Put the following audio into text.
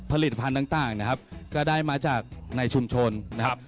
ผลิตภัณฑ์ต่างนะครับก็ได้มาจากในชุมชนนะครับ